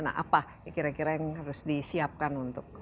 nah apa kira kira yang harus disiapkan untuk